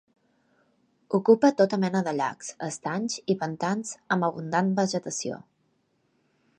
Ocupa tota mena de llacs, estanys i pantans amb abundant vegetació.